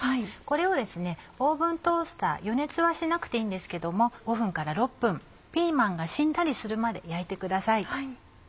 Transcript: これをですねオーブントースター余熱はしなくていいんですけども５分から６分ピーマンがしんなりするまで焼いてください。